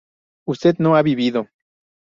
¿usted no ha vivido?